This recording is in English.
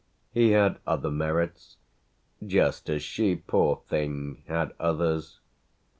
He had other merits, just as she, poor thing! had others.